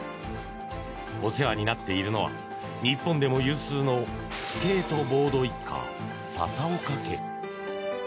お世話になっているのは日本でも有数のスケートボード一家、笹岡家。